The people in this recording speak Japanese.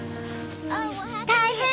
大変！